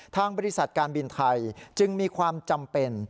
ทางบริษัทการบินไทยจึงมีความจำเป็น